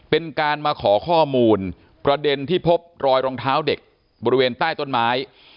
เป็นการมาขอข้อมูลประเด็นที่พบรอยรองเท้าเด็กบริเวณใต้ต้นไม้